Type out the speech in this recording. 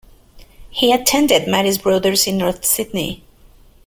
He attended Marist Brothers in North Sydney.